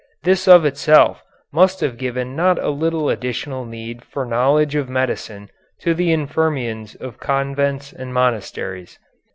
This of itself must have given not a little additional need for knowledge of medicine to the infirmarians of convents and monasteries.